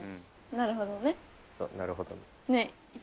なるほどね。